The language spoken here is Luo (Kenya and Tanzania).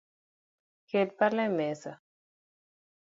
Kel pala emesa